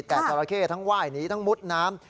แต่จราเข้ทั้งไหว้หนีทั้งมุดน้ำ